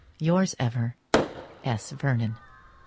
Yours ever, S. VERNON.